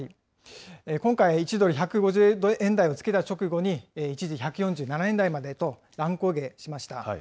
今回、１ドル１５０円台をつけた直後に、一時１４７円台までと乱高下しました。